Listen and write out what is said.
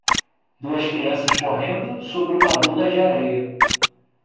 Duas crianças correndo sobre uma duna de areia.